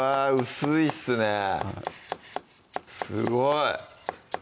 薄いっすねはいすごい！